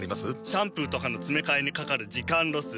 シャンプーとかのつめかえにかかる時間ロス。